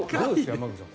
山口さん。